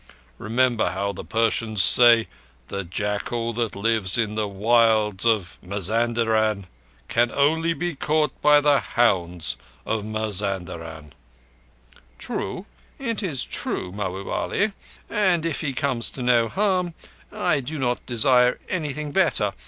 Remember how the Persians say: The jackal that lives in the wilds of Mazanderan can only be caught by the hounds of Mazanderan." "True. It is true, Mahbub Ali. And if he comes to no harm, I do not desire anything better.